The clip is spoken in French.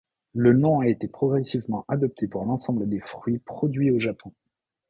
Le nom a été progressivement adopté pour l'ensemble des fruits produits au Japon.